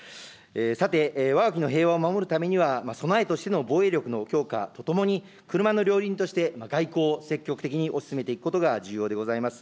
さて、わが国の平和を守るためには、備えとしての防衛力の強化とともに、車の両輪として外交を積極的に推し進めていくことが重要でございます。